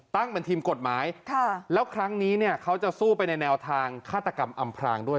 ตั้งเป็นทีมกฎหมายแล้วครั้งนี้เนี่ยเขาจะสู้ไปในแนวทางฆาตกรรมอำพรางด้วย